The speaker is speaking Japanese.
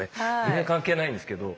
全然関係ないんですけど。